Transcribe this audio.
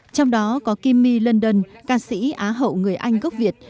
trong đó có kimmy london ca sĩ á hậu người anh gốc việt